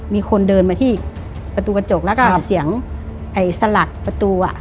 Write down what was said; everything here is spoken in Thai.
มีคนเดินมาที่ประตูกระจกแล้วก็เสียงไอ้สลักประตูอ่ะ